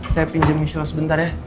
saya pinjam michelle sebentar ya